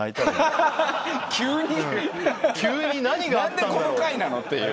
何でこの回なの？っていう。